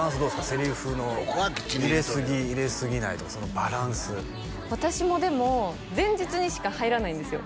セリフの入れすぎ入れすぎないとかそのバランス私もでも前日にしか入らないんですよ